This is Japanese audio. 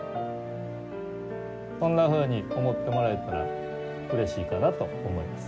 そんなふうに思ってもらえたらうれしいかなと思います。